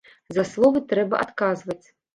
За словы трэба адказваць.